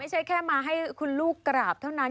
แค่มาให้คุณลูกกราบเท่านั้น